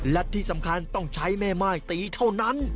และที่สำคัญต้องใช้แม่ม่ายตีเท่านั้น